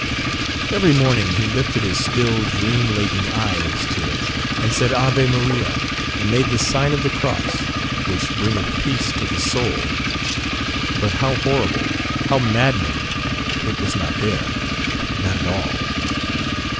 Every morning he lifted his still dream laden eyes to it and said Ave Maria and made the sign of the cross, which bringeth peace to the soul but how horrible, how maddening, it was not there, not at all.